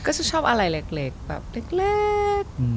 ก็จะชอบอะไรเล็กแบบเล็ก